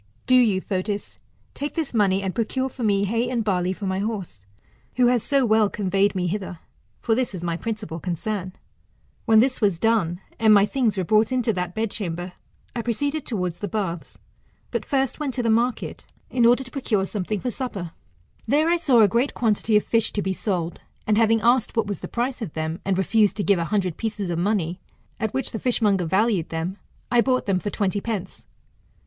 Do you, Fotis, take this money, and procure for me hay and barley for my horse, who has so well conveyed me hither : for this is my principal concern. When this was done, and my thmgs were brought into that bedchamber, I [proceeded towards the baths, but first went to the market in order to procure something for supper. There I saw a great quantity of fish to be sold, and having asked what was the price of them, and refused to give a hundred pieces of money, at which the fishmonger valued them, I bought them for twenty pence.